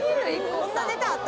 こんなネタあった？